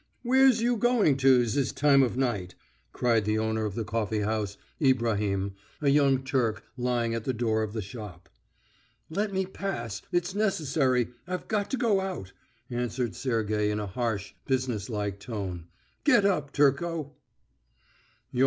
"Where's you going to, zis time o' night?" cried the owner of the coffee house, Ibrahim, a young Turk lying at the door of the shop. "Let me pass; it's necessary. I've got to go out," answered Sergey in a harsh, business like tone. "Get up, Turco!"